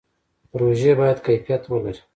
پروژې باید کیفیت ولري